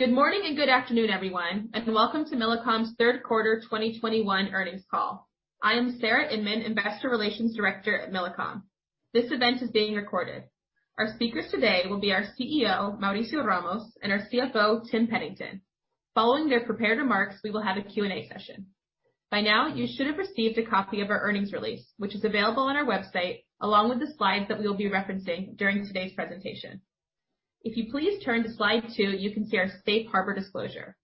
Good morning and good afternoon, everyone, and welcome to Millicom's third quarter 2021 earnings call. I am Sarah Inmon, Investor Relations Director at Millicom. This event is being recorded. Our speakers today will be our CEO, Mauricio Ramos, and our CFO, Tim Pennington. Following their prepared remarks, we will have a Q&A session. By now, you should have received a copy of our earnings release, which is available on our website, along with the slides that we will be referencing during today's presentation. If you please turn to slide two, you can see our safe harbor disclosure.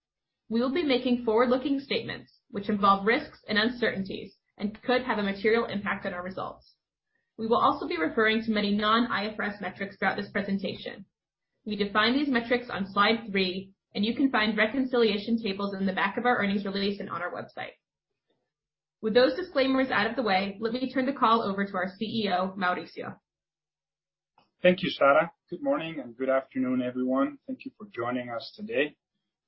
We will be making forward-looking statements which involve risks and uncertainties and could have a material impact on our results. We will also be referring to many non-IFRS metrics throughout this presentation. We define these metrics on slide three, and you can find reconciliation tables in the back of our earnings release and on our website. With those disclaimers out of the way, let me turn the call over to our CEO, Mauricio. Thank you, Sarah. Good morning and good afternoon, everyone. Thank you for joining us today.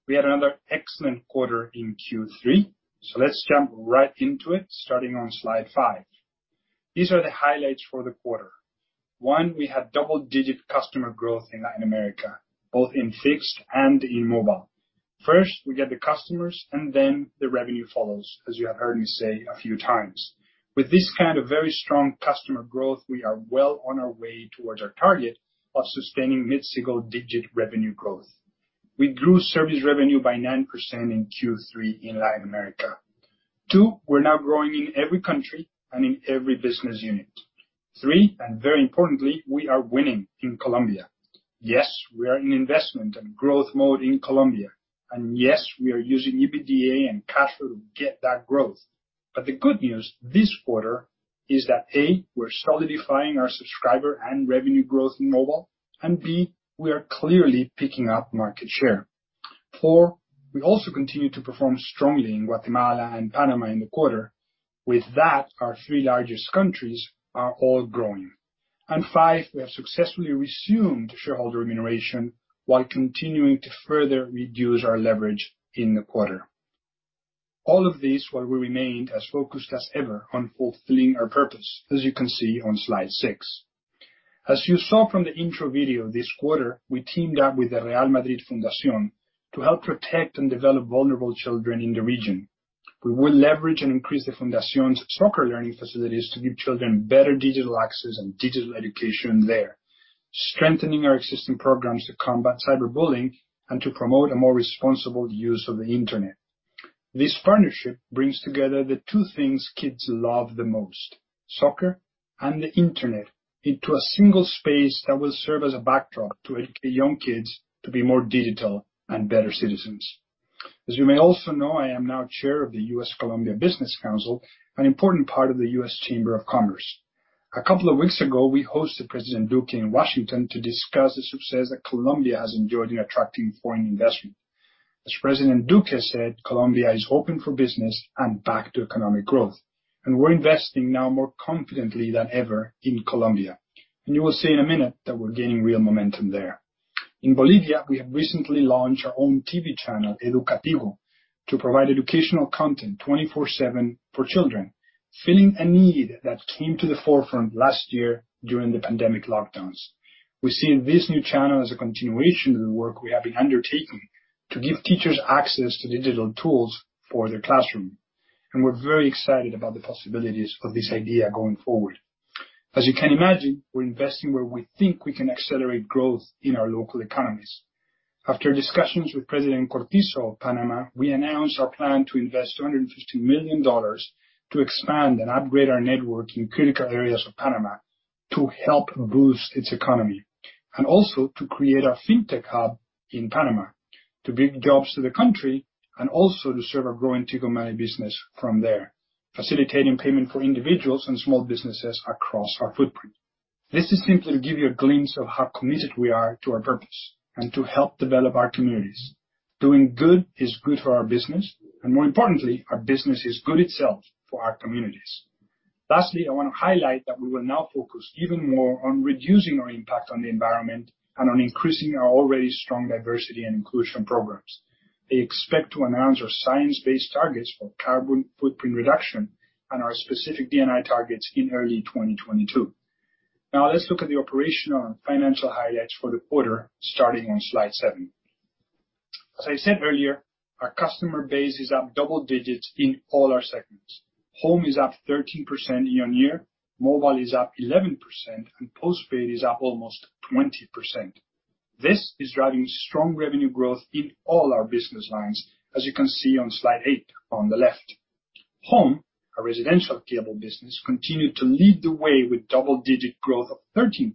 We had another excellent quarter in Q3, so let's jump right into it, starting on slide five. These are the highlights for the quarter. One, we had double-digit customer growth in Latin America, both in fixed and in mobile. First, we get the customers, and then the revenue follows, as you have heard me say a few times. With this kind of very strong customer growth, we are well on our way towards our target of sustaining mid-single digit revenue growth. We grew service revenue by 9% in Q3 in Latin America. Two, we're now growing in every country and in every business unit. Three, and very importantly, we are winning in Colombia. Yes, we are in investment and growth mode in Colombia. Yes, we are using EBITDA and cash flow to get that growth. The good news this quarter is that, A, we're solidifying our subscriber and revenue growth in mobile, and B, we are clearly picking up market share. Four, we also continue to perform strongly in Guatemala and Panama in the quarter. With that, our three largest countries are all growing. Five, we have successfully resumed shareholder remuneration while continuing to further reduce our leverage in the quarter. All of this while we remained as focused as ever on fulfilling our purpose, as you can see on slide six. As you saw from the intro video this quarter, we teamed up with the Fundación Real Madrid to help protect and develop vulnerable children in the region. We will leverage and increase the Fundación's soccer learning facilities to give children better digital access and digital education there, strengthening our existing programs to combat cyberbullying and to promote a more responsible use of the Internet. This partnership brings together the two things kids love the most, soccer and the Internet, into a single space that will serve as a backdrop to educate young kids to be more digital and better citizens. As you may also know, I am now chair of the U.S.-Colombia Business Council, an important part of the U.S. Chamber of Commerce. A couple of weeks ago, we hosted President Duque in Washington to discuss the success that Colombia has enjoyed in attracting foreign investment. As President Duque said, Colombia is open for business and back to economic growth, and we're investing now more confidently than ever in Colombia. You will see in a minute that we're gaining real momentum there. In Bolivia, we have recently launched our own TV channel, Educativo, to provide educational content 24/7 for children, filling a need that came to the forefront last year during the pandemic lockdowns. We see this new channel as a continuation of the work we have been undertaking to give teachers access to digital tools for their classroom, and we're very excited about the possibilities of this idea going forward. As you can imagine, we're investing where we think we can accelerate growth in our local economies. After discussions with President Cortizo of Panama, we announced our plan to invest $250 million to expand and upgrade our network in critical areas of Panama to help boost its economy. to create a fintech hub in Panama, to bring jobs to the country and also to serve our growing Tigo Money business from there, facilitating payment for individuals and small businesses across our footprint. This is simply to give you a glimpse of how committed we are to our purpose and to help develop our communities. Doing good is good for our business, and more importantly, our business is good itself for our communities. Lastly, I wanna highlight that we will now focus even more on reducing our impact on the environment and on increasing our already strong diversity and inclusion programs. I expect to announce our science-based targets for carbon footprint reduction and our specific D&I targets in early 2022. Now let's look at the operational and financial highlights for the quarter, starting on slide seven. As I said earlier, our customer base is up double digits in all our segments. Home is up 13% year-over-year, mobile is up 11%, and postpaid is up almost 20%. This is driving strong revenue growth in all our business lines, as you can see on slide eight on the left. Home, our residential cable business, continued to lead the way with double-digit growth of 13%.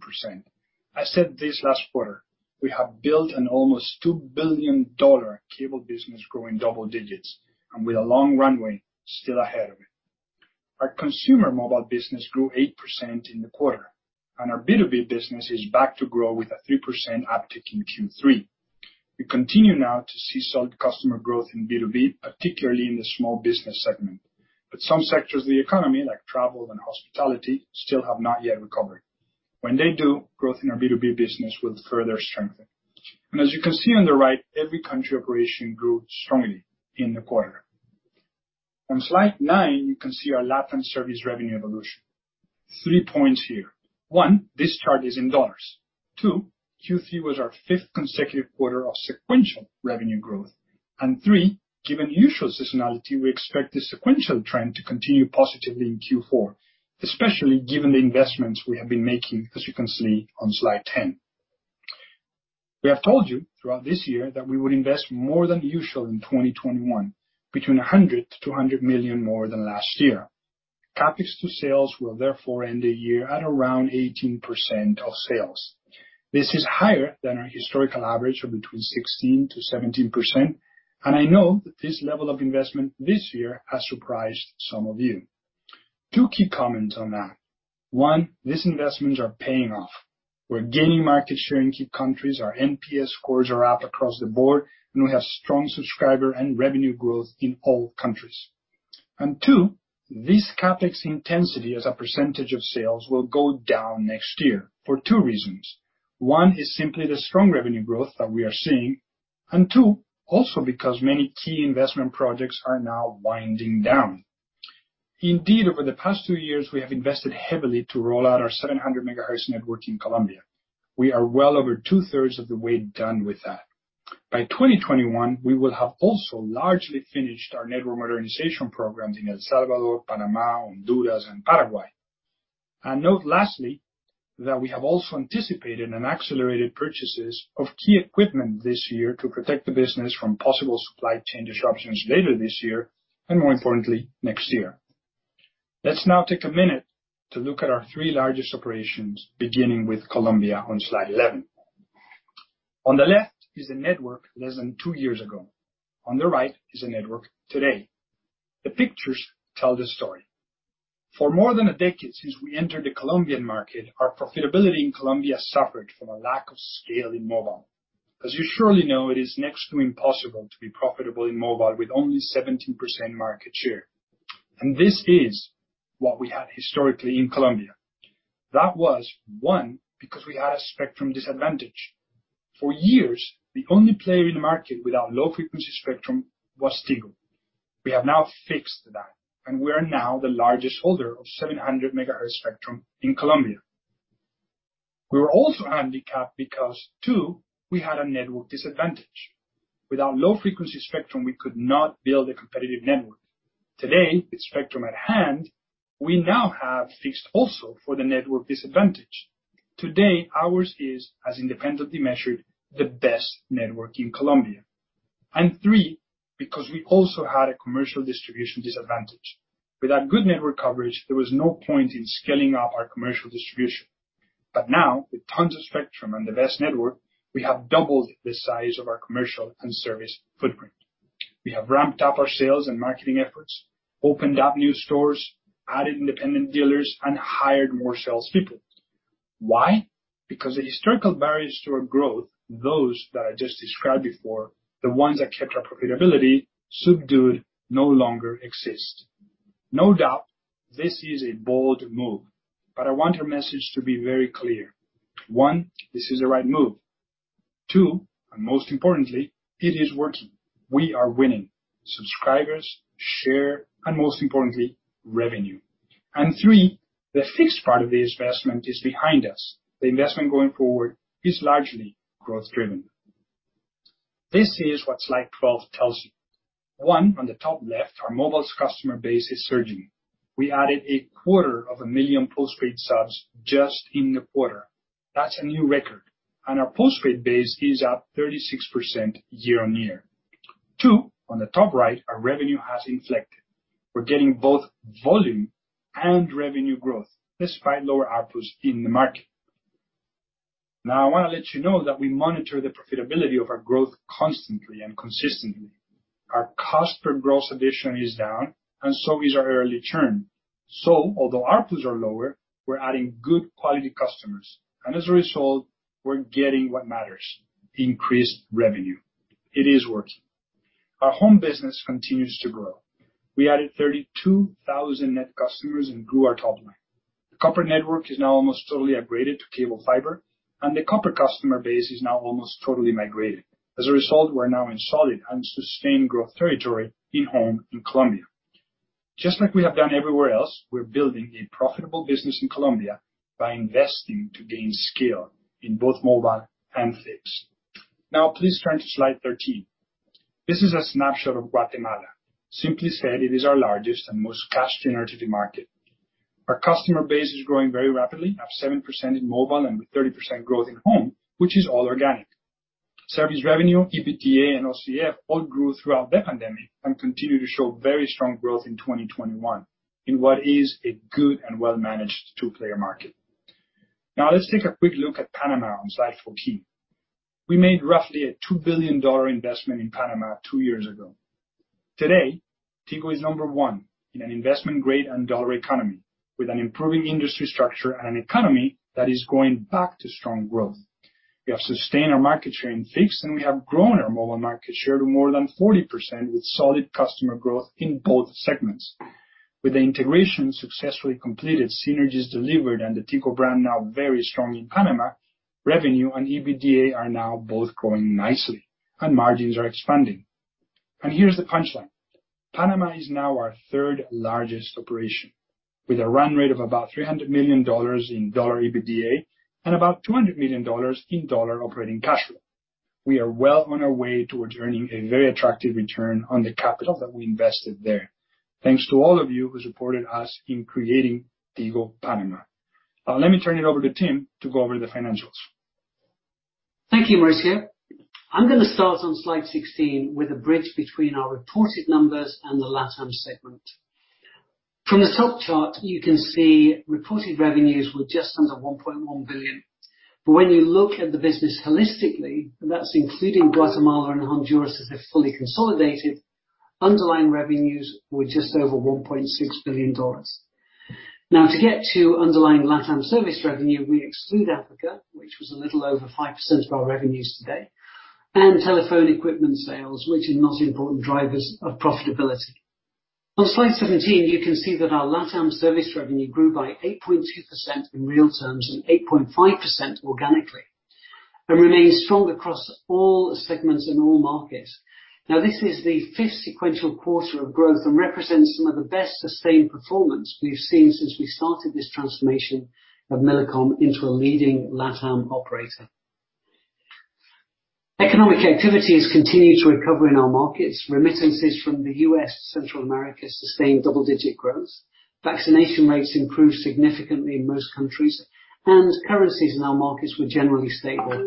I said this last quarter, we have built an almost $2 billion cable business growing double digits and with a long runway still ahead of it. Our consumer mobile business grew 8% in the quarter, and our B2B business is back to grow with a 3% uptick in Q3. We continue now to see solid customer growth in B2B, particularly in the small business segment. Some sectors of the economy, like travel and hospitality, still have not yet recovered. When they do, growth in our B2B business will further strengthen. As you can see on the right, every country operation grew strongly in the quarter. On slide nine, you can see our Latin service revenue evolution. Three points here. One, this chart is in dollars. Two, Q3 was our fifth consecutive quarter of sequential revenue growth. Three, given usual seasonality, we expect the sequential trend to continue positively in Q4, especially given the investments we have been making, as you can see on slide 10. We have told you throughout this year that we would invest more than usual in 2021, between $100 million-$200 million more than last year. CapEx to sales will therefore end the year at around 18% of sales. This is higher than our historical average of between 16%-17%, and I know that this level of investment this year has surprised some of you. Two key comments on that. One, these investments are paying off. We're gaining market share in key countries. Our NPS scores are up across the board, and we have strong subscriber and revenue growth in all countries. Two, this CapEx intensity as a percentage of sales will go down next year for two reasons. One is simply the strong revenue growth that we are seeing, and two, also because many key investment projects are now winding down. Indeed, over the past two years, we have invested heavily to roll out our 700 MHz network in Colombia. We are well over two-thirds of the way done with that. By 2021, we will have also largely finished our network modernization programs in El Salvador, Panama, Honduras, and Paraguay. Note lastly, that we have also anticipated and accelerated purchases of key equipment this year to protect the business from possible supply chain disruptions later this year, and more importantly, next year. Let's now take a minute to look at our three largest operations, beginning with Colombia on Slide 11. On the left is the network less than two years ago. On the right is the network today. The pictures tell the story. For more than a decade since we entered the Colombian market, our profitability in Colombia suffered from a lack of scale in mobile. As you surely know, it is next to impossible to be profitable in mobile with only 17% market share. This is what we had historically in Colombia. That was one, because we had a spectrum disadvantage. For years, the only player in the market without low-frequency spectrum was Tigo. We have now fixed that, and we are now the largest holder of 700 MHz spectrum in Colombia. We were also handicapped because two, we had a network disadvantage. Without low-frequency spectrum, we could not build a competitive network. Today, with spectrum at hand, we now have fixed also for the network disadvantage. Today, ours is, as independently measured, the best network in Colombia. Three, because we also had a commercial distribution disadvantage. Without good network coverage, there was no point in scaling up our commercial distribution. Now, with tons of spectrum and the best network, we have doubled the size of our commercial and service footprint. We have ramped up our sales and marketing efforts, opened up new stores, added independent dealers, and hired more salespeople. Why? Because the historical barriers to our growth, those that I just described before, the ones that kept our profitability subdued no longer exist. No doubt, this is a bold move, but I want our message to be very clear. One, this is the right move. Two, and most importantly, it is working. We are winning subscribers, share, and most importantly, revenue. Three, the fixed part of the investment is behind us. The investment going forward is largely growth driven. This is what slide 12 tells you. One, on the top left, our mobile customer base is surging. We added 250,000 postpaid subs just in the quarter. That's a new record. Our postpaid base is up 36% year-on-year. Two, on the top right, our revenue has inflected. We're getting both volume and revenue growth, despite lower ARPUs in the market. Now, I wanna let you know that we monitor the profitability of our growth constantly and consistently. Our cost per gross addition is down, and so is our early churn. Although ARPUs are lower, we're adding good quality customers. As a result, we're getting what matters, increased revenue. It is working. Our home business continues to grow. We added 32,000 net customers and grew our top line. The copper network is now almost totally upgraded to cable fiber, and the copper customer base is now almost totally migrated. As a result, we're now in solid and sustained growth territory in home in Colombia. Just like we have done everywhere else, we're building a profitable business in Colombia by investing to gain scale in both mobile and fixed. Now please turn to slide 13. This is a snapshot of Guatemala. Simply said, it is our largest and most cash-generative market. Our customer base is growing very rapidly at 7% in mobile and with 30% growth in home, which is all organic. Service revenue, EBITDA, and OCF all grew throughout the pandemic and continue to show very strong growth in 2021 in what is a good and well-managed two-player market. Now let's take a quick look at Panama on slide 14. We made roughly a $2 billion investment in Panama two years ago. Today, Tigo is number one in an investment-grade and dollar economy with an improving industry structure and an economy that is going back to strong growth. We have sustained our market share in fixed, and we have grown our mobile market share to more than 40% with solid customer growth in both segments. With the integration successfully completed, synergies delivered, and the Tigo brand now very strong in Panama, revenue and EBITDA are now both growing nicely and margins are expanding. Here's the punchline. Panama is now our third largest operation with a run rate of about $300 million in dollar EBITDA and about $200 million in dollar operating cash flow. We are well on our way towards earning a very attractive return on the capital that we invested there. Thanks to all of you who supported us in creating Tigo Panama. Now let me turn it over to Tim to go over the financials. Thank you, Mauricio. I'm gonna start on slide 16 with a bridge between our reported numbers and the LatAm segment. From the sub-chart, you can see reported revenues were just under $1.1 billion. When you look at the business holistically, and that's including Guatemala and Honduras as they're fully consolidated, underlying revenues were just over $1.6 billion. Now to get to underlying LatAm service revenue, we exclude Africa, which was a little over 5% of our revenues today, and telephone equipment sales, which are not important drivers of profitability. On slide 17, you can see that our LatAm service revenue grew by 8.2% in real terms and 8.5% organically, and remains strong across all segments and all markets. This is the fifth sequential quarter of growth and represents some of the best sustained performance we've seen since we started this transformation of Millicom into a leading LatAm operator. Economic activity has continued to recover in our markets. Remittances from the U.S. to Central America sustained double-digit growth. Vaccination rates improved significantly in most countries, and currencies in our markets were generally stable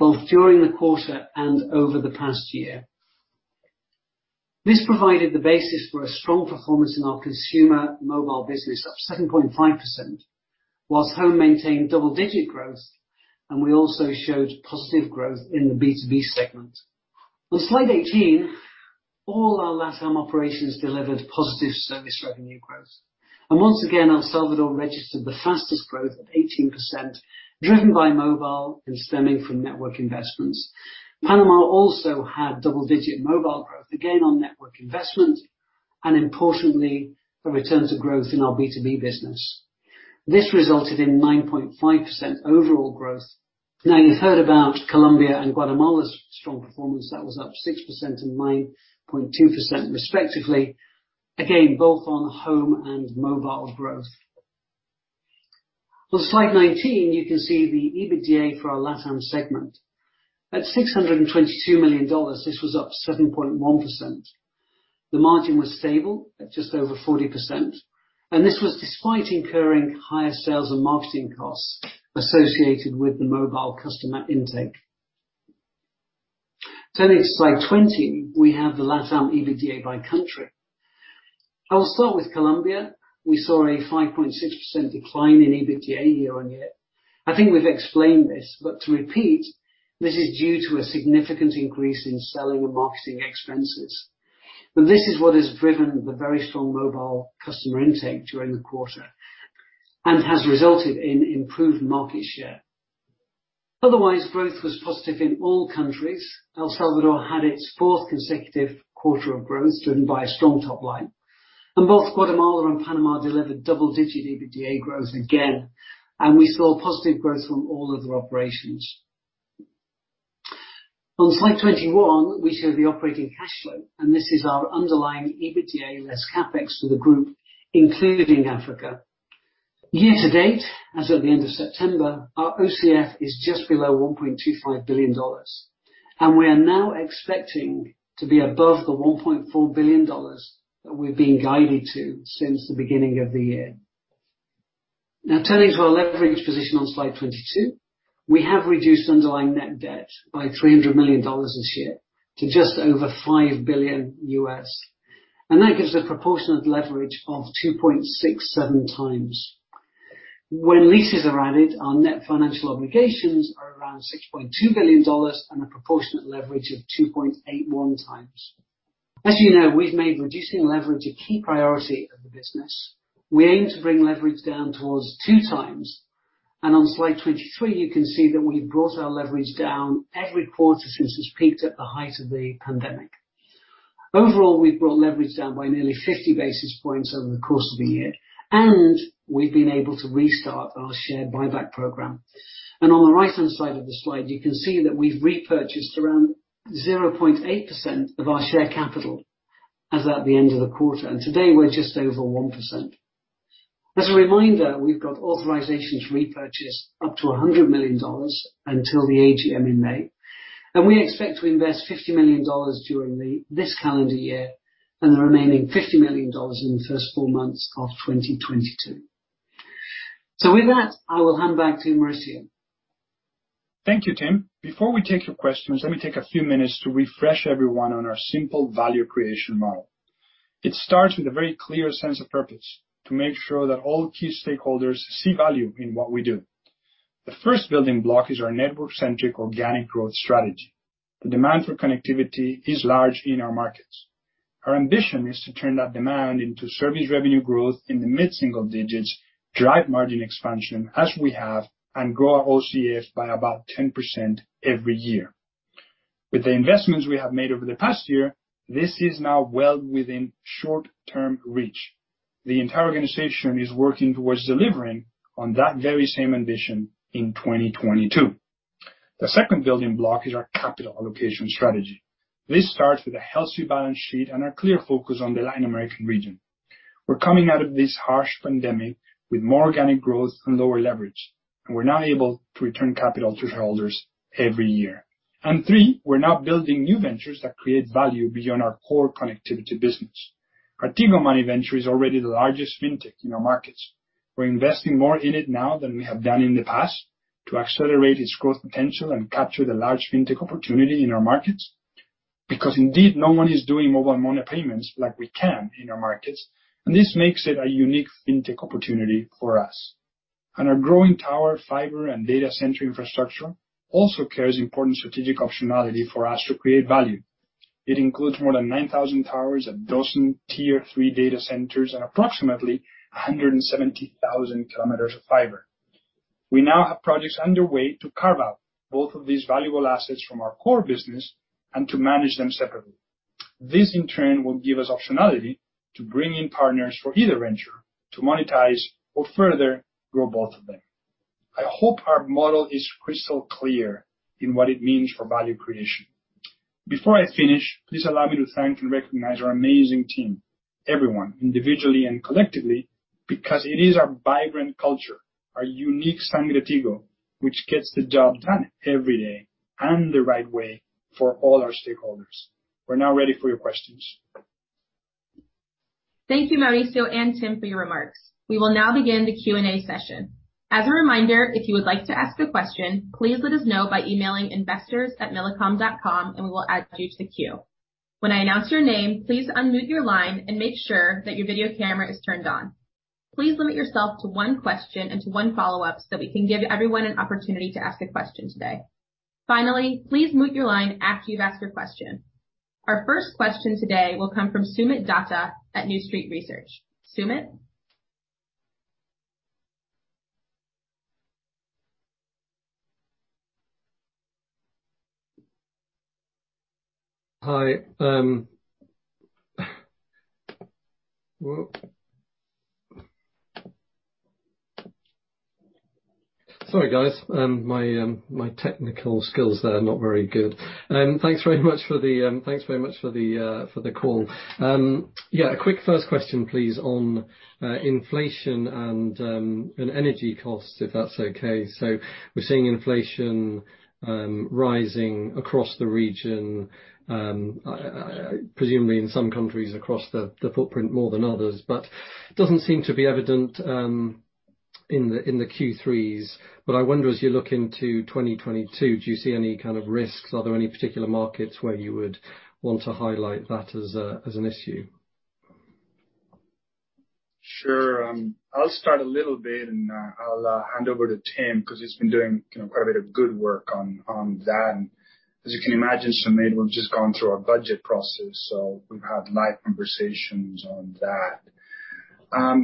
both during the quarter and over the past year. This provided the basis for a strong performance in our consumer mobile business, up 7.5%, while Home maintained double-digit growth, and we also showed positive growth in the B2B segment. On slide 18, all our LatAm operations delivered positive service revenue growth. Once again, El Salvador registered the fastest growth of 18%, driven by mobile and stemming from network investments. Panama also had double-digit mobile growth, again on network investment, and importantly, a return to growth in our B2B business. This resulted in 9.5% overall growth. Now you've heard about Colombia and Guatemala's strong performance. That was up 6% and 9.2% respectively. Again, both on home and mobile growth. On slide 19, you can see the EBITDA for our LatAm segment. At $622 million, this was up 7.1%. The margin was stable at just over 40%, and this was despite incurring higher sales and marketing costs associated with the mobile customer intake. Turning to slide 20, we have the LatAm EBITDA by country. I'll start with Colombia. We saw a 5.6% decline in EBITDA year-over-year. I think we've explained this, but to repeat, this is due to a significant increase in selling and marketing expenses. This is what has driven the very strong mobile customer intake during the quarter and has resulted in improved market share. Otherwise, growth was positive in all countries. El Salvador had its fourth consecutive quarter of growth driven by a strong top line. Both Guatemala and Panama delivered double-digit EBITDA growth again. We saw positive growth from all other operations. On slide 21, we show the operating cash flow, and this is our underlying EBITDA less CapEx for the group, including Africa. Year to date, as of the end of September, our OCF is just below $1.25 billion, and we are now expecting to be above the $1.4 billion that we've been guided to since the beginning of the year. Now turning to our leverage position on slide 22, we have reduced underlying net debt by $300 million this year to just over $5 billion. That gives a proportionate leverage of 2.67 times. When leases are added, our net financial obligations are around $6.2 billion and a proportionate leverage of 2.81 times. As you know, we've made reducing leverage a key priority of the business. We aim to bring leverage down towards two times. On slide 23, you can see that we've brought our leverage down every quarter since this peaked at the height of the pandemic. Overall, we've brought leverage down by nearly 50 basis points over the course of the year, and we've been able to restart our share buyback program. On the right-hand side of the slide, you can see that we've repurchased around 0.8% of our share capital as at the end of the quarter, and today we're just over 1%. As a reminder, we've got authorization to repurchase up to $100 million until the AGM in May. We expect to invest $50 million during this calendar year and the remaining $50 million in the first four months of 2022. With that, I will hand back to Mauricio. Thank you, Tim. Before we take your questions, let me take a few minutes to refresh everyone on our simple value creation model. It starts with a very clear sense of purpose, to make sure that all key stakeholders see value in what we do. The first building block is our network-centric organic growth strategy. The demand for connectivity is large in our markets. Our ambition is to turn that demand into service revenue growth in the mid-single digits%, drive margin expansion as we have, and grow our OCF by about 10% every year. With the investments we have made over the past year, this is now well within short-term reach. The entire organization is working towards delivering on that very same ambition in 2022. The second building block is our capital allocation strategy. This starts with a healthy balance sheet and a clear focus on the Latin American region. We're coming out of this harsh pandemic with more organic growth and lower leverage, and we're now able to return capital to shareholders every year. Three, we're now building new ventures that create value beyond our core connectivity business. Our Tigo Money venture is already the largest fintech in our markets. We're investing more in it now than we have done in the past to accelerate its growth potential and capture the large fintech opportunity in our markets. Because indeed, no one is doing mobile money payments like we can in our markets, and this makes it a unique fintech opportunity for us. Our growing tower, fiber, and data center infrastructure also carries important strategic optionality for us to create value. It includes more than 9,000 towers, a dozen Tier III data centers, and approximately 170,000 km of fiber. We now have projects underway to carve out both of these valuable assets from our core business and to manage them separately. This, in turn, will give us optionality to bring in partners for either venture to monetize or further grow both of them. I hope our model is crystal clear in what it means for value creation. Before I finish, please allow me to thank and recognize our amazing team, everyone, individually and collectively, because it is our vibrant culture, our unique Tigo, which gets the job done every day and the right way for all our stakeholders. We're now ready for your questions. Thank you, Mauricio and Tim, for your remarks. We will now begin the Q&A session. As a reminder, if you would like to ask a question, please let us know by emailing investors@millicom.com, and we will add you to the queue. When I announce your name, please unmute your line and make sure that your video camera is turned on. Please limit yourself to one question and to one follow-up so we can give everyone an opportunity to ask a question today. Finally, please mute your line after you've asked your question. Our first question today will come from Soomit Datta at New Street Research. Soomit? Hi. Whoa. Sorry, guys. My technical skills there are not very good. Thanks very much for the call. Yeah, a quick first question, please, on inflation and energy costs, if that's okay. We're seeing inflation rising across the region, presumably in some countries across the footprint more than others, but it doesn't seem to be evident in the Q3s. I wonder, as you look into 2022, do you see any kind of risks? Are there any particular markets where you would want to highlight that as an issue? Sure. I'll start a little bit, and I'll hand over to Tim 'cause he's been doing, you know, quite a bit of good work on that. As you can imagine, Soomit, we've just gone through our budget process, so we've had live conversations on that.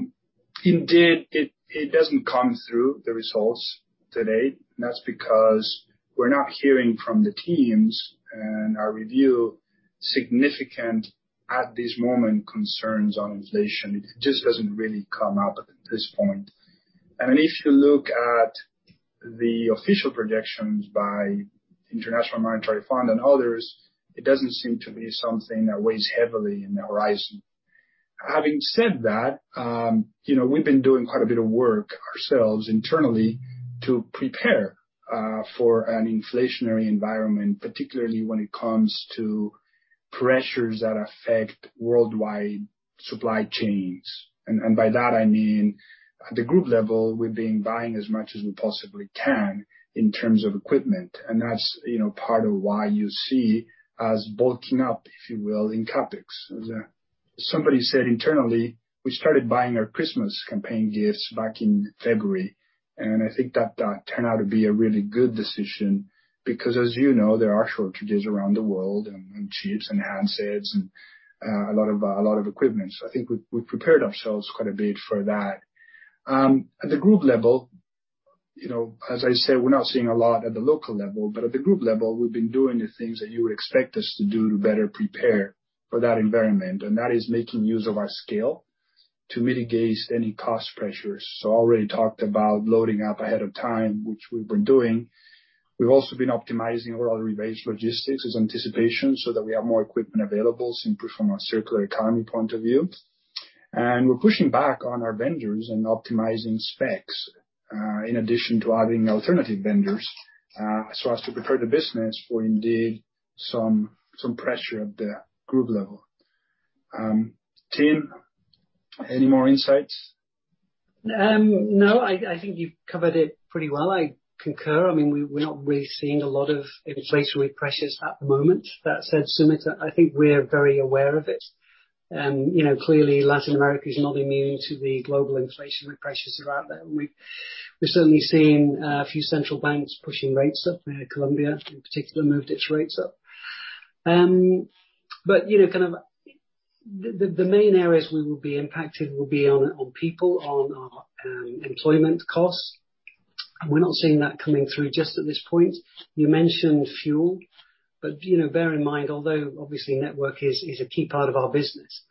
Indeed, it doesn't come through the results today, and that's because we're not hearing from the teams any significant concerns on inflation at this moment. It just doesn't really come up at this point. If you look at the official projections by International Monetary Fund and others, it doesn't seem to be something that weighs heavily on the horizon. Having said that, you know, we've been doing quite a bit of work ourselves internally to prepare for an inflationary environment, particularly when it comes to pressures that affect worldwide supply chains. By that I mean, at the group level, we've been buying as much as we possibly can in terms of equipment, and that's, you know, part of why you see us bulking up, if you will, in CapEx. As somebody said internally, we started buying our Christmas campaign gifts back in February, and I think that turned out to be a really good decision because, as you know, there are shortages around the world on chips and handsets and a lot of equipment. I think we've prepared ourselves quite a bit for that. At the group level, you know, as I said, we're not seeing a lot at the local level, but at the group level, we've been doing the things that you would expect us to do to better prepare for that environment, and that is making use of our scale to mitigate any cost pressures. I already talked about loading up ahead of time, which we've been doing. We've also been optimizing our reverse logistics as anticipation so that we have more equipment available simply from a circular economy point of view. We're pushing back on our vendors and optimizing specs, in addition to adding alternative vendors, so as to prepare the business for indeed some pressure at the group level. Tim, any more insights? No, I think you've covered it pretty well. I concur. I mean, we're not really seeing a lot of inflationary pressures at the moment. That said, Soomit, I think we're very aware of it. You know, clearly Latin America is not immune to the global inflationary pressures that are out there. We've certainly seen a few central banks pushing rates up. Colombia in particular moved its rates up. But you know, the main areas we will be impacted will be on people, on our employment costs. We're not seeing that coming through just at this point. You mentioned fuel, but you know, bear in mind, although obviously network is a key part of our business,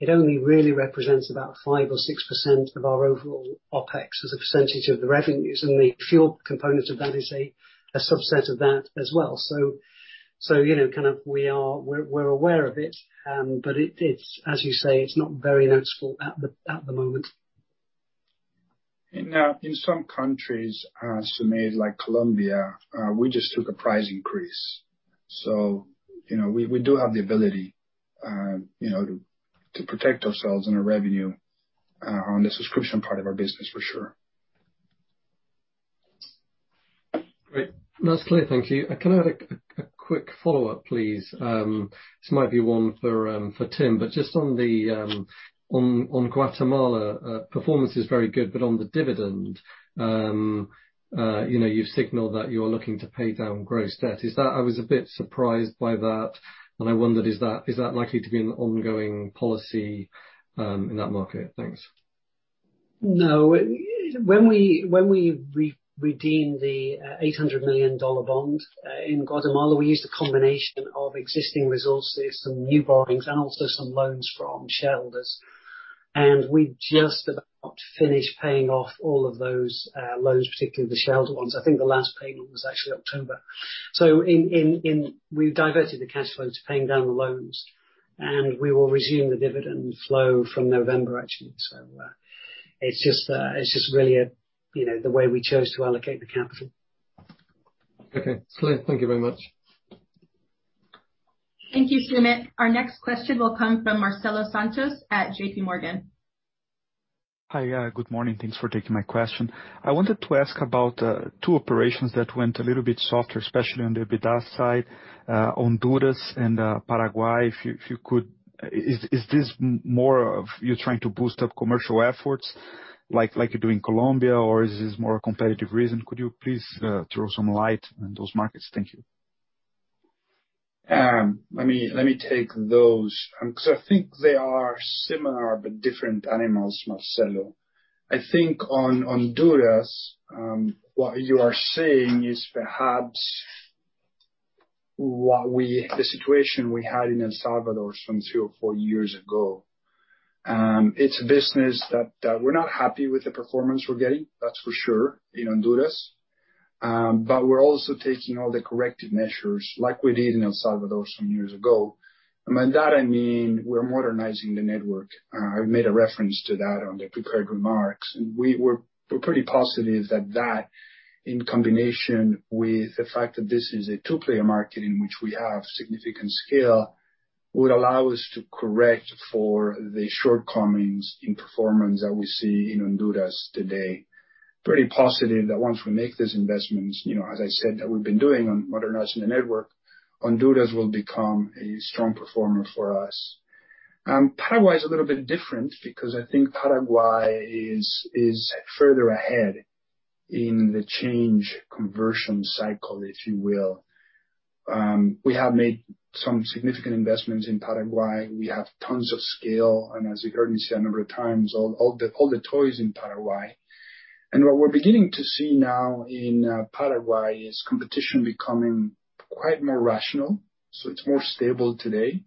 it only really represents about 5% or 6% of our overall OPEX as a percentage of the revenues. The fuel component of that is a subset of that as well. You know, kind of we're aware of it, but it's, as you say, it's not very noticeable at the moment. In some countries, Soomit, like Colombia, we just took a price increase. You know, we do have the ability, you know, to protect ourselves and our revenue on the subscription part of our business for sure. Great. That's clear. Thank you. Can I have a quick follow-up, please? This might be one for Tim, but just on the Guatemala performance is very good, but on the dividend, you know, you've signaled that you're looking to pay down gross debt. Is that. I was a bit surprised by that, and I wondered, is that likely to be an ongoing policy in that market? Thanks. No. When we redeemed the $800 million bond in Guatemala, we used a combination of existing resources, some new borrowings, and also some loans from shareholders. We just about finished paying off all of those loans, particularly the shareholder ones. I think the last payment was actually October. We've diverted the cash flow to paying down the loans, and we will resume the dividend flow from November, actually. It's just really a, you know, the way we chose to allocate the capital. Okay. It's clear. Thank you very much. Thank you, Soomit. Our next question will come from Marcelo Santos at JPMorgan. Hi. Good morning. Thanks for taking my question. I wanted to ask about two operations that went a little bit softer, especially on the EBITDA side, Honduras and Paraguay. If you could, is this more of you trying to boost up commercial efforts like you do in Colombia, or is this more a competitive reason? Could you please throw some light on those markets? Thank you. Let me take those because I think they are similar but different animals, Marcelo. I think on Honduras, what you are saying is perhaps the situation we had in El Salvador some two or four years ago. It's a business that we're not happy with the performance we're getting, that's for sure, in Honduras. We're also taking all the corrective measures like we did in El Salvador some years ago. By that I mean, we're modernizing the network. I made a reference to that on the prepared remarks. We're pretty positive that in combination with the fact that this is a two-player market in which we have significant scale, would allow us to correct for the shortcomings in performance that we see in Honduras today. Pretty positive that once we make these investments, you know, as I said, that we've been doing on modernizing the network, Honduras will become a strong performer for us. Paraguay is a little bit different because I think Paraguay is further ahead in the change conversion cycle, if you will. We have made some significant investments in Paraguay. We have tons of scale, and as you've heard me say a number of times, all the toys in Paraguay. What we're beginning to see now in Paraguay is competition becoming quite more rational, so it's more stable today.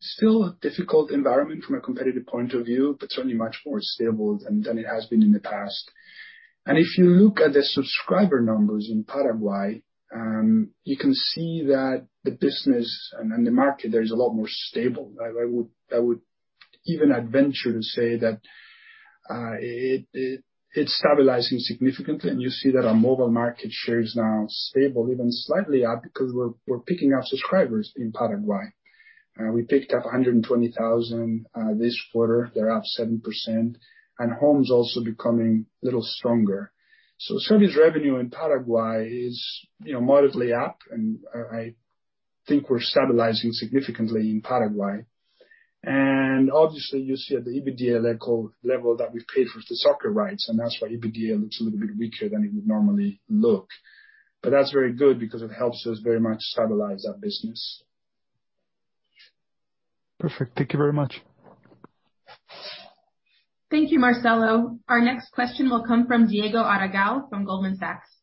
Still a difficult environment from a competitive point of view, but certainly much more stable than it has been in the past. If you look at the subscriber numbers in Paraguay, you can see that the business and the market there is a lot more stable. I would even venture to say that it's stabilizing significantly. You see that our mobile market share is now stable, even slightly up, because we're picking up subscribers in Paraguay. We picked up 120,000 this quarter. They're up 7%. Homes also becoming a little stronger. Service revenue in Paraguay is, you know, moderately up, and I think we're stabilizing significantly in Paraguay. Obviously, you see at the EBITDA level that we've paid for the soccer rights, and that's why EBITDA looks a little bit weaker than it would normally look. That's very good because it helps us very much stabilize that business. Perfect. Thank you very much. Thank you, Marcelo. Our next question will come from Diego Aragao from Goldman Sachs.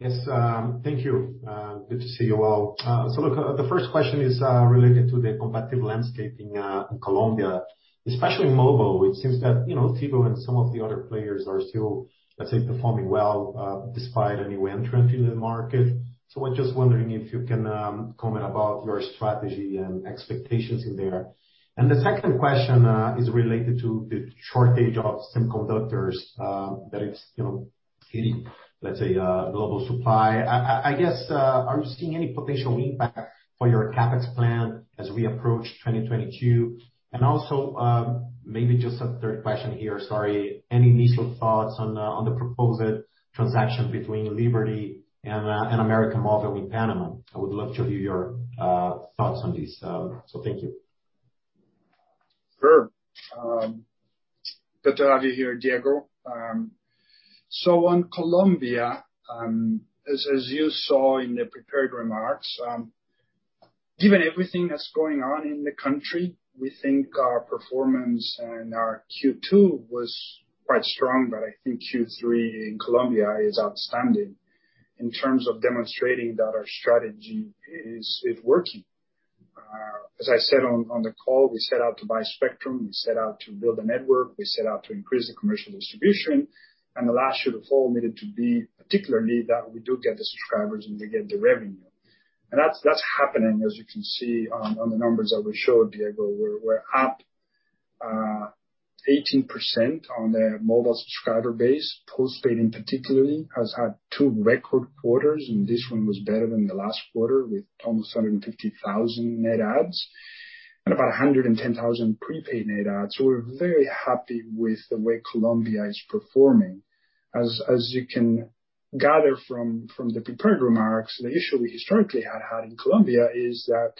Yes. Thank you. Good to see you all. Look, the first question is related to the competitive landscape in Colombia, especially mobile. It seems that, you know, Tigo and some of the other players are still, let's say, performing well, despite a new entrant in the market. I'm just wondering if you can comment about your strategy and expectations in there. The second question is related to the shortage of semiconductors that is, you know, hitting, let's say, global supply. I guess are you seeing any potential impact for your CapEx plan as we approach 2022? Also, maybe just a third question here, sorry. Any initial thoughts on the proposed transaction between Liberty and América Móvil in Panama? I would love to hear your thoughts on this. Thank you. Sure. Good to have you here, Diego. So on Colombia, as you saw in the prepared remarks, given everything that's going on in the country, we think our performance and our Q2 was quite strong, but I think Q3 in Colombia is outstanding in terms of demonstrating that our strategy is working. As I said on the call, we set out to buy spectrum. We set out to build a network. We set out to increase the commercial distribution, and the last shoe to fall needed to be particularly that we do get the subscribers and we get the revenue. That's happening, as you can see on the numbers that we showed, Diego. We're up 18% on the mobile subscriber base. Postpaid, in particular, has had two record quarters, and this one was better than the last quarter with almost 150,000 net adds and about 110,000 prepaid net adds. We're very happy with the way Colombia is performing. As you can gather from the prepared remarks, the issue we historically had in Colombia is that,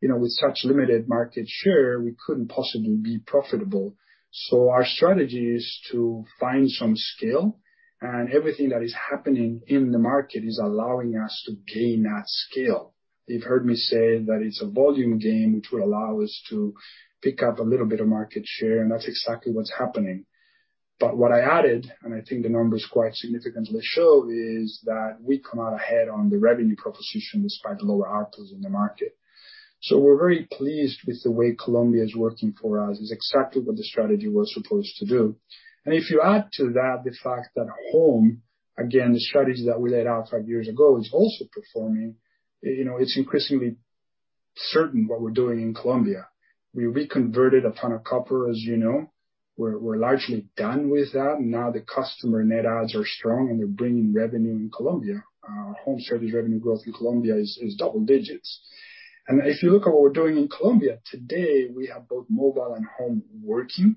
you know, with such limited market share, we couldn't possibly be profitable. Our strategy is to find some scale, and everything that is happening in the market is allowing us to gain that scale. You've heard me say that it's a volume game which will allow us to pick up a little bit of market share, and that's exactly what's happening. what I added, and I think the numbers quite significantly show, is that we come out ahead on the revenue proposition despite lower ARPU in the market. We're very pleased with the way Colombia is working for us. It's exactly what the strategy was supposed to do. If you add to that the fact that home, again, the strategy that we laid out five years ago is also performing, you know, it's increasingly certain what we're doing in Colombia. We reconverted a ton of copper, as you know. We're largely done with that. Now the customer net adds are strong, and they're bringing revenue in Colombia. Home service revenue growth in Colombia is double digits. If you look at what we're doing in Colombia today, we have both mobile and home working.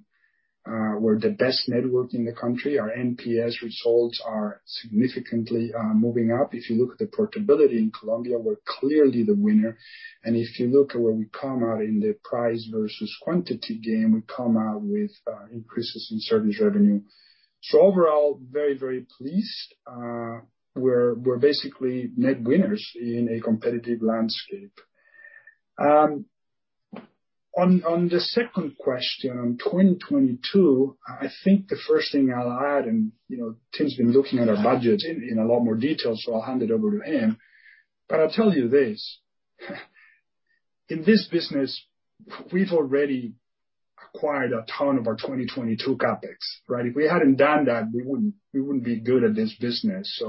We're the best network in the country. Our NPS results are significantly moving up. If you look at the portability in Colombia, we're clearly the winner. If you look at where we come out in the price versus quantity game, we come out with increases in service revenue. Overall, very, very pleased. We're basically net winners in a competitive landscape. On the second question, on 2022, I think the first thing I'll add, and you know, Tim's been looking at our budget in a lot more detail, so I'll hand it over to him. I'll tell you this, in this business, we've already acquired a ton of our 2022 CapEx, right? If we hadn't done that, we wouldn't be good at this business.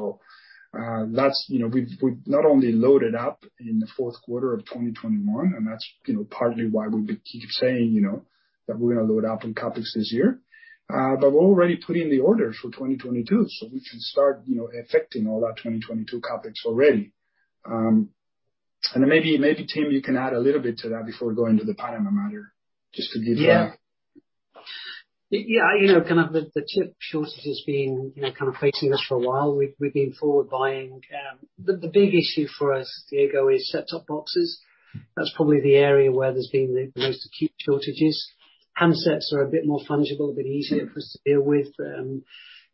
That's, you know, we've not only loaded up in the fourth quarter of 2021, and that's, you know, partly why we keep saying, you know, that we're gonna load up on CapEx this year. But we're already putting the orders for 2022, so we can start, you know, affecting all that 2022 CapEx already. Then maybe, Tim, you can add a little bit to that before we go into the Panama matter, just to give- Yeah. You know, kind of the chip shortage has been, you know, kind of facing us for a while. We've been forward buying. The big issue for us, Diego, is set-top boxes. That's probably the area where there's been the most acute shortages. Handsets are a bit more fungible, a bit easier for us to deal with.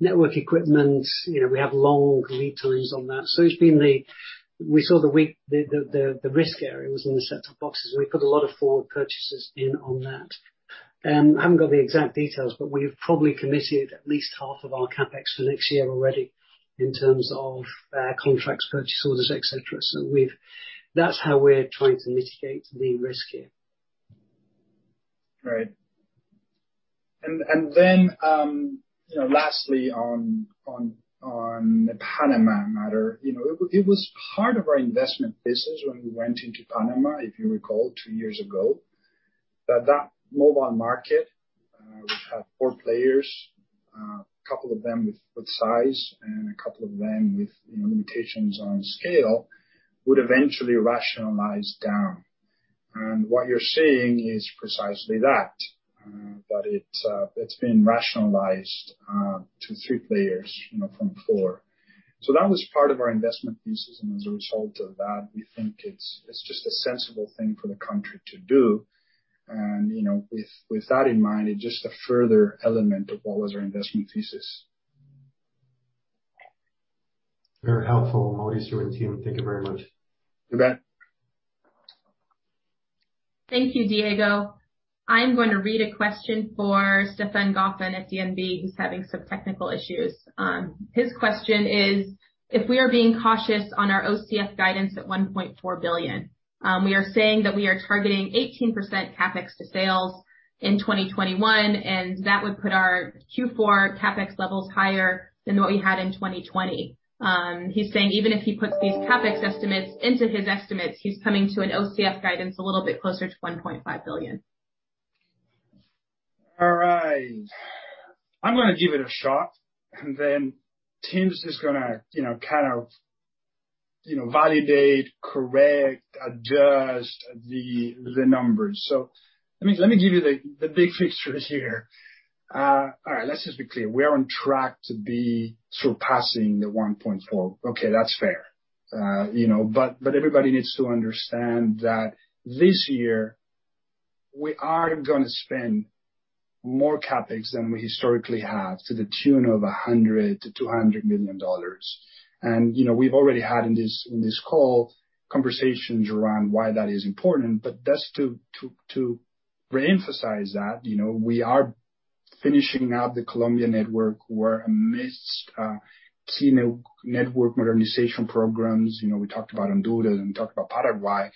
Network equipment, you know, we have long lead times on that. We saw the risk area was in the set-top boxes, and we put a lot of forward purchases in on that. I haven't got the exact details, but we've probably committed at least half of our CapEx for next year already in terms of contracts, purchase orders, et cetera. That's how we're trying to mitigate being rescued. Right. Lastly on the Panama matter. It was part of our investment thesis when we went into Panama, if you recall two years ago, that mobile market, which had four players, a couple of them with size and a couple of them with limitations on scale, would eventually rationalize down. What you're seeing is precisely that it's been rationalized to three players from four. That was part of our investment thesis, and as a result of that, we think it's just a sensible thing for the country to do. With that in mind, it's just a further element of what was our investment thesis. Very helpful, Mauricio and team. Thank you very much. You bet. Thank you, Diego Aragao. I'm going to read a question for Stefan Gauffin at DNB, who's having some technical issues. His question is, if we are being cautious on our OCF guidance at $1.4 billion, we are saying that we are targeting 18% CapEx to sales in 2021, and that would put our Q4 CapEx levels higher than what we had in 2020. He's saying even if he puts these CapEx estimates into his estimates, he's coming to an OCF guidance a little bit closer to $1.5 billion. All right. I'm gonna give it a shot and then Tim's just gonna, you know, kind of, you know, validate, correct, adjust the numbers. Let me give you the big picture here. All right, let's just be clear. We are on track to be surpassing the 1.4. Okay, that's fair. You know, everybody needs to understand that this year we are gonna spend more CapEx than we historically have to the tune of $100 million-$200 million. You know, we've already had in this call conversations around why that is important. Just to re-emphasize that, you know, we are finishing out the Colombia network. We're amidst key network modernization programs. You know, we talked about Honduras and we talked about Paraguay.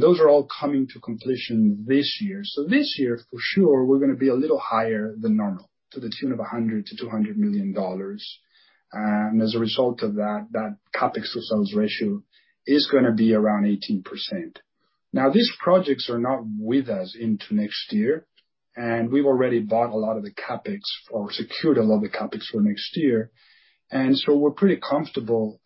Those are all coming to completion this year. This year, for sure, we're gonna be a little higher than normal to the tune of $100 million-$200 million. As a result of that CapEx to sales ratio is gonna be around 18%. Now, these projects are not with us into next year, and we've already bought a lot of the CapEx or secured a lot of the CapEx for next year. We're pretty comfortable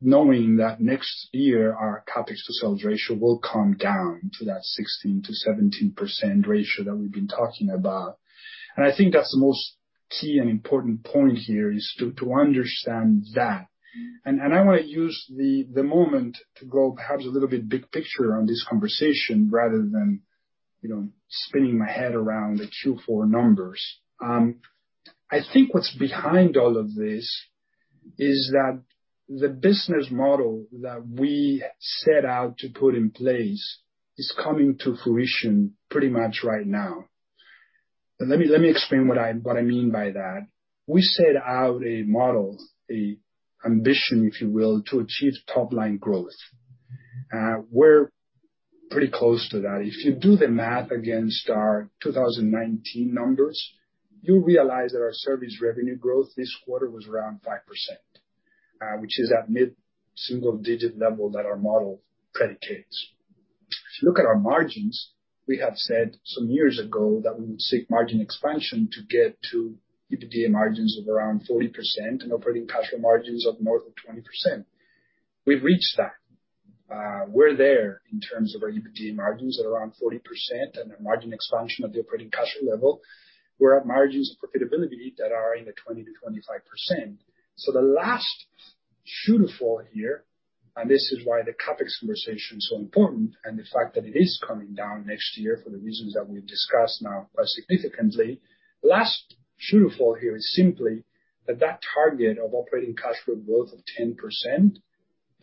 knowing that next year our CapEx to sales ratio will come down to that 16%-17% ratio that we've been talking about. I think that's the most key and important point here, is to understand that. I wanna use the moment to go perhaps a little bit big picture on this conversation rather than, you know, spinning my head around the Q4 numbers. I think what's behind all of this is that the business model that we set out to put in place is coming to fruition pretty much right now. Let me explain what I mean by that. We set out a model, a ambition, if you will, to achieve top line growth. We're pretty close to that. If you do the math against our 2019 numbers, you'll realize that our service revenue growth this quarter was around 5%, which is that mid-single digit level that our model predicates. If you look at our margins, we have said some years ago that we would seek margin expansion to get to EBITDA margins of around 40% and operating cash flow margins of more than 20%. We've reached that. We're there in terms of our EBITDA margins at around 40% and a margin expansion of the operating cash flow level. We're at margins of profitability that are in the 20%-25%. The last shoe to fall here, and this is why the CapEx conversation is so important and the fact that it is coming down next year for the reasons that we've discussed now, significantly. The last shoe to fall here is simply that target of operating cash flow growth of 10%,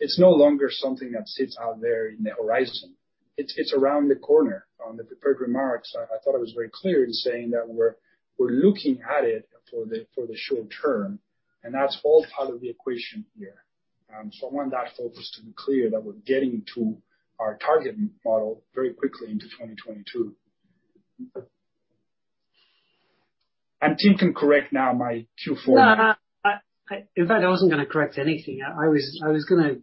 it's no longer something that sits out there in the horizon. It's around the corner. On the prepared remarks, I thought it was very clear in saying that we're looking at it for the short term, and that's all part of the equation here. I want that focus to be clear that we're getting to our target model very quickly into 2022. Tim can correct now my Q4- No, no. In fact, I wasn't gonna correct anything. I was gonna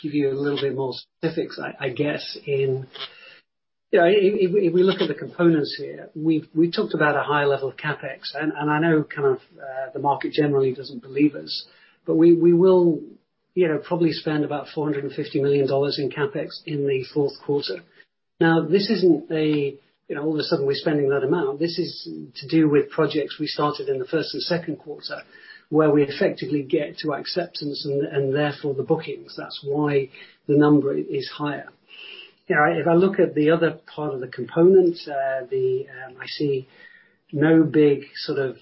give you a little bit more specifics, I guess, in... You know, if we look at the components here, we've talked about a high level of CapEx, and I know kind of the market generally doesn't believe us, but we will, you know, probably spend about $450 million in CapEx in the fourth quarter. Now, this isn't, you know, all of a sudden we're spending that amount. This is to do with projects we started in the first and second quarter, where we effectively get to acceptance and therefore the bookings. That's why the number is higher. You know, if I look at the other part of the components, I see no big sort of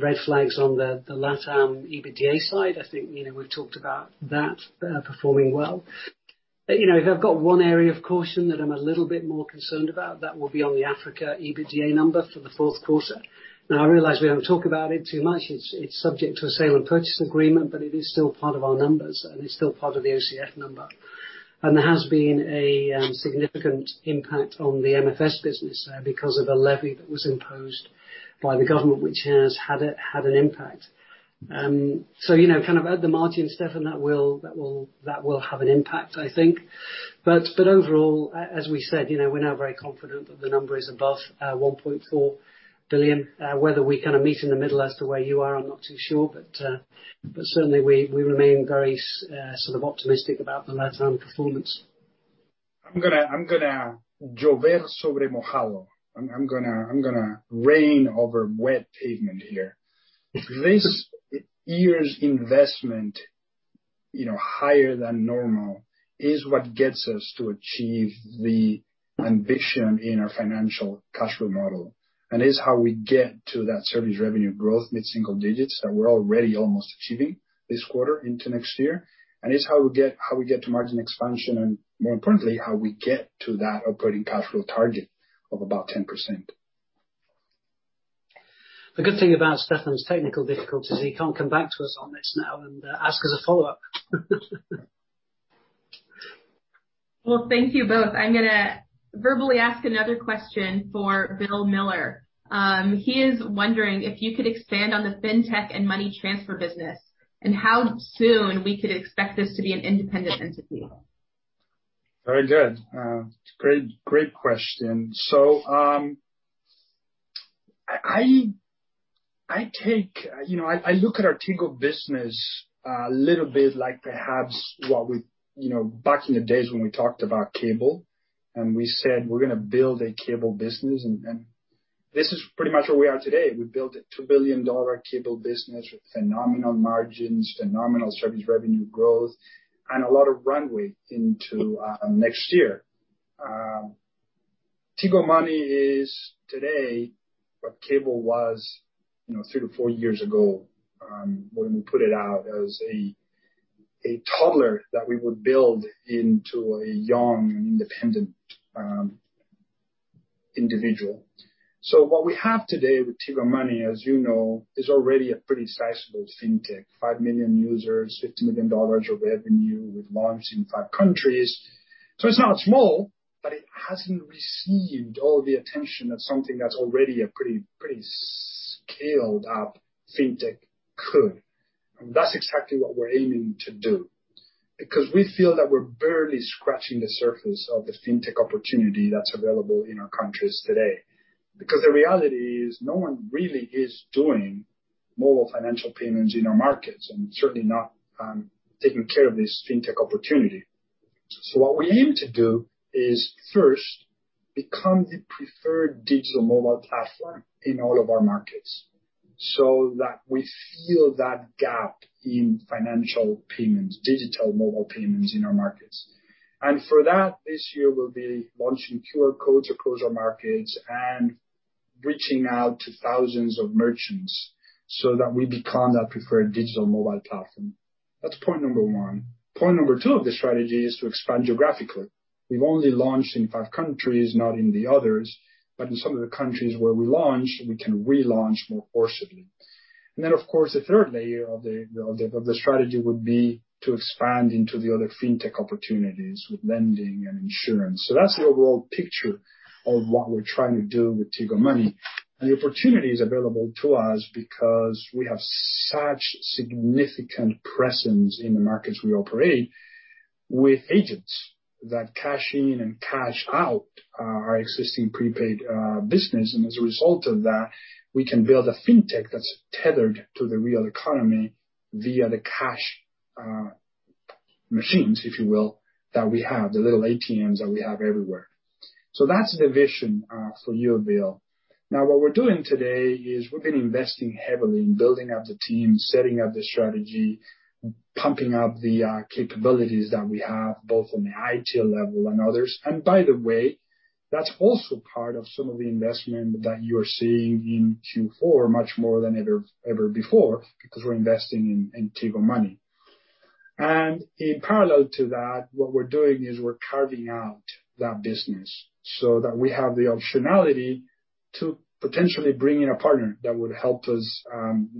red flags on the LatAm EBITDA side. I think, you know, we've talked about that performing well. You know, if I've got one area of caution that I'm a little bit more concerned about, that will be on the Africa EBITDA number for the fourth quarter. Now, I realize we haven't talked about it too much. It's subject to a sale and purchase agreement, but it is still part of our numbers, and it's still part of the OCF number. There has been a significant impact on the MFS business because of a levy that was imposed by the government, which has had an impact. You know, kind of at the margin, Stefan, that will have an impact, I think. Overall, as we said, you know, we're now very confident that the number is above $1.4 billion. Whether we kinda meet in the middle as to where you are, I'm not too sure. Certainly we remain very sort of optimistic about the LatAm performance. I'm gonna. Well, thank you both. I'm gonna verbally ask another question for Bill Miller. He is wondering if you could expand on the fintech and money transfer business and how soon we could expect this to be an independent entity. Very good. Great question. I take, you know, I look at our Tigo business a little bit like perhaps what we, you know, back in the days when we talked about cable, and we said we're gonna build a cable business and this is pretty much where we are today. We built a $2 billion cable business with phenomenal margins, phenomenal service revenue growth, and a lot of runway into next year. Tigo Money is today what cable was, you know, three to four years ago, when we put it out as a toddler that we would build into a young independent individual. What we have today with Tigo Money, as you know, is already a pretty sizable fintech, 5 million users, $50 million of revenue with launch in five countries. It's not small, but it hasn't received all the attention that something that's already a pretty scaled-up fintech could. That's exactly what we're aiming to do. Because we feel that we're barely scratching the surface of the fintech opportunity that's available in our countries today. Because the reality is no one really is doing mobile financial payments in our markets, and certainly not taking care of this fintech opportunity. What we aim to do is first become the preferred digital mobile platform in all of our markets so that we fill that gap in financial payments, digital mobile payments in our markets. For that, this year we'll be launching QR codes across our markets and reaching out to thousands of merchants so that we become that preferred digital mobile platform. That's point number one. Point number two of the strategy is to expand geographically. We've only launched in five countries, not in the others, but in some of the countries where we launched, we can relaunch more forcibly. Then, of course, the third layer of the strategy would be to expand into the other fintech opportunities with lending and insurance. That's the overall picture of what we're trying to do with Tigo Money. The opportunity is available to us because we have such significant presence in the markets we operate with agents that cash in and cash out our existing prepaid business. As a result of that, we can build a fintech that's tethered to the real economy via the cash machines, if you will, that we have, the little ATMs that we have everywhere. That's the vision for you, Bill. Now, what we're doing today is we've been investing heavily in building out the team, setting up the strategy, pumping up the capabilities that we have both on the IT level and others. By the way, that's also part of some of the investment that you're seeing in Q4, much more than ever before, because we're investing in Tigo Money. In parallel to that, what we're doing is we're carving out that business so that we have the optionality to potentially bring in a partner that would help us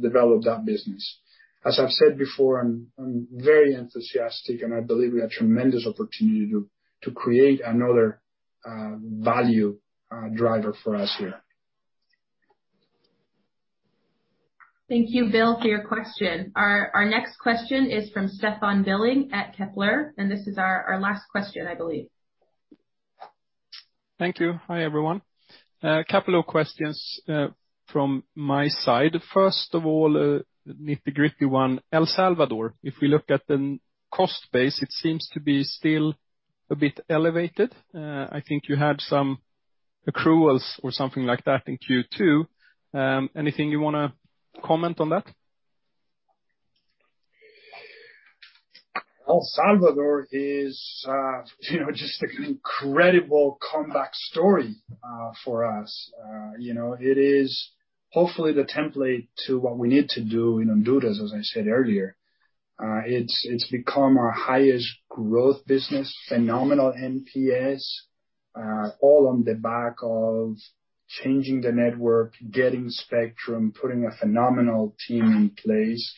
develop that business. As I've said before, I'm very enthusiastic, and I believe we have tremendous opportunity to create another value driver for us here. Thank you, Bill, for your question. Our next question is from Stefan Billing at Kepler, and this is our last question, I believe. Thank you. Hi, everyone. A couple of questions from my side. First of all, a nitty-gritty one, El Salvador. If we look at the cost base, it seems to be still a bit elevated. I think you had some accruals or something like that in Q2. Anything you wanna comment on that? El Salvador is, you know, just an incredible comeback story, for us. You know, it is hopefully the template to what we need to do in Honduras, as I said earlier. It's become our highest growth business, phenomenal NPS, all on the back of changing the network, getting spectrum, putting a phenomenal team in place.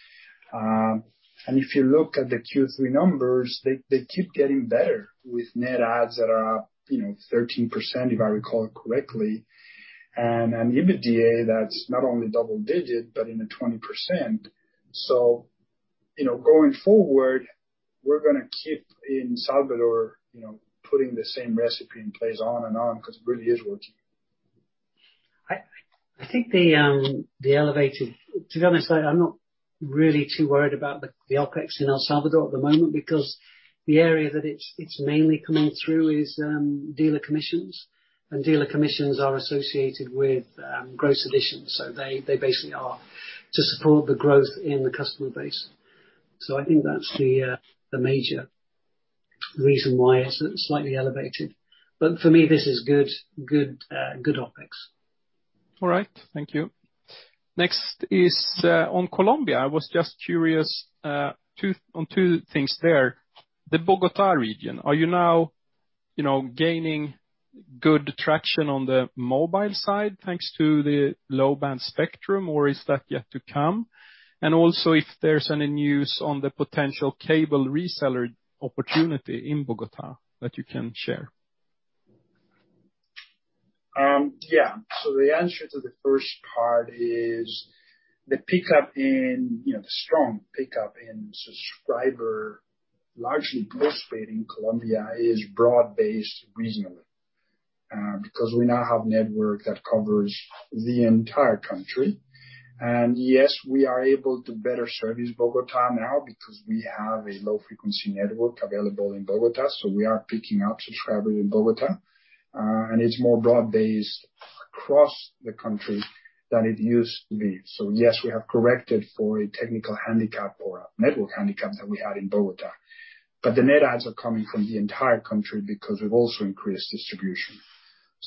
If you look at the Q3 numbers, they keep getting better with net adds that are, you know, 13%, if I recall correctly, and an EBITDA that's not only double-digit, but in the 20%. You know, going forward, we're gonna keep in Salvador, you know, putting the same recipe in place on and on because it really is working. To be honest, I'm not really too worried about the OpEx in El Salvador at the moment because the area that it's mainly coming through is dealer commissions, and dealer commissions are associated with gross additions. They basically are to support the growth in the customer base. I think that's the major reason why it's slightly elevated. For me, this is good OpEx. All right. Thank you. Next is on Colombia. I was just curious on two things there. The Bogotá region. Are you now, you know, gaining good traction on the mobile side, thanks to the low-band spectrum, or is that yet to come? Also, if there's any news on the potential cable reseller opportunity in Bogotá that you can share. The answer to the first part is the pickup in, you know, the strong pickup in subscribers, largely post-paid in Colombia, is reasonably broad-based, because we now have a network that covers the entire country. Yes, we are able to better service Bogotá now because we have a low frequency network available in Bogotá, so we are picking up subscribers in Bogotá. It's more broad-based across the country than it used to be. Yes, we have corrected for a technical handicap or a network handicap that we had in Bogotá. The net adds are coming from the entire country because we've also increased distribution.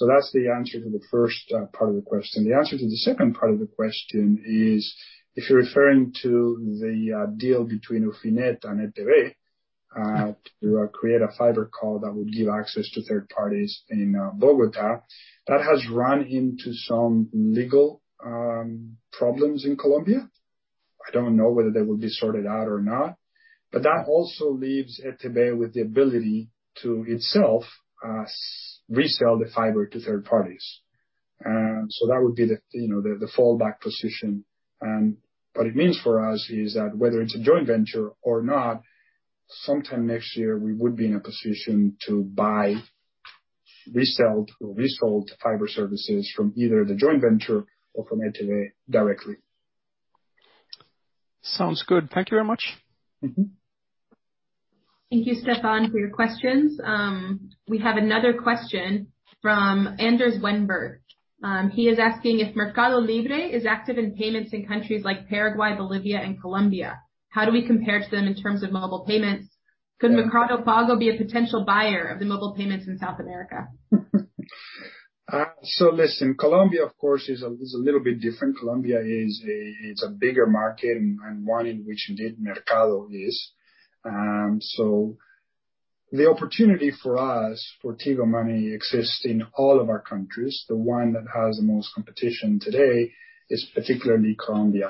That's the answer to the first part of the question. The answer to the second part of the question is, if you're referring to the deal between Ufinet and ETB to create a fiber co that would give access to third parties in Bogotá, that has run into some legal problems in Colombia. I don't know whether they will be sorted out or not. That also leaves ETB with the ability to itself resell the fiber to third parties. That would be the, you know, the fallback position. What it means for us is that whether it's a joint venture or not, sometime next year, we would be in a position to buy resold fiber services from either the joint venture or from ETB directly. Sounds good. Thank you very much. Mm-hmm. Thank you, Stefan, for your questions. We have another question from Anders Wennberg. He is asking if MercadoLibre is active in payments in countries like Paraguay, Bolivia, and Colombia. How do we compare to them in terms of mobile payments? Could Mercado Pago be a potential buyer of the mobile payments in South America? Listen, Colombia of course is a little bit different. Colombia is a bigger market and one in which indeed Mercado is. The opportunity for us, for Tigo Money, exists in all of our countries. The one that has the most competition today is particularly Colombia.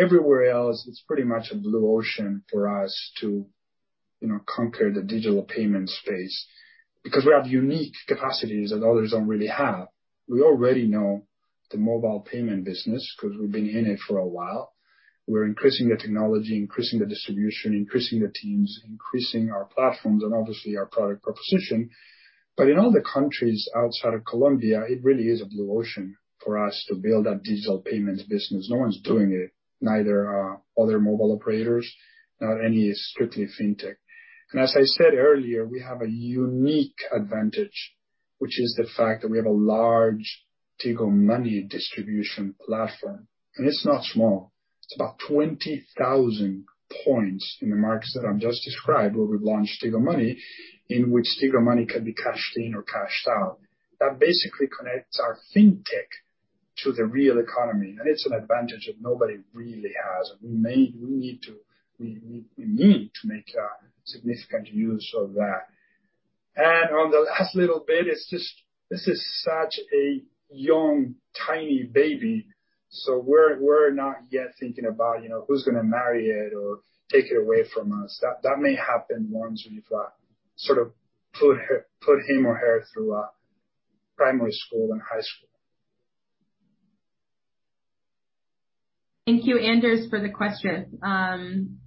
Everywhere else, it's pretty much a blue ocean for us to, you know, conquer the digital payment space. Because we have unique capacities that others don't really have. We already know the mobile payment business because we've been in it for a while. We're increasing the technology, increasing the distribution, increasing the teams, increasing our platforms and obviously our product proposition. In all the countries outside of Colombia, it really is a blue ocean for us to build that digital payments business. No one's doing it, neither other mobile operators, not any strictly fintech. As I said earlier, we have a unique advantage, which is the fact that we have a large Tigo Money distribution platform. It's not small. It's about 20,000 points in the markets that I've just described where we've launched Tigo Money, in which Tigo Money can be cashed in or cashed out. That basically connects our fintech to the real economy, and it's an advantage that nobody really has. We need to make significant use of that. On the last little bit, it's just, this is such a young, tiny baby, so we're not yet thinking about, you know, who's gonna marry it or take it away from us. That may happen once we've sort of put him or her through primary school and high school. Thank you, Anders, for the question.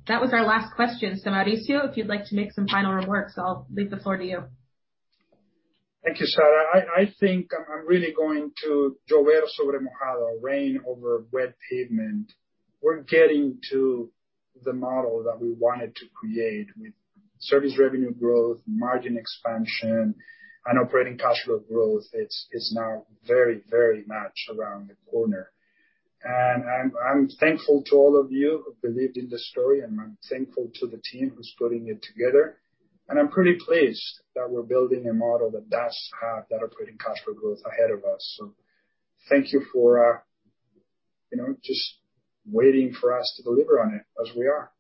That was our last question. Mauricio, if you'd like to make some final remarks, I'll leave the floor to you. Thank you, Sarah. I think I'm really going to «llover sobre mojado» rain over wet pavement. We're getting to the model that we wanted to create with service revenue growth, margin expansion, and operating cash flow growth. It's now very much around the corner. I'm thankful to all of you who believed in the story, and I'm thankful to the team who's putting it together. I'm pretty pleased that we're building a model that does have better operating cash flow growth ahead of us. Thank you for, you know, just waiting for us to deliver on it as we are.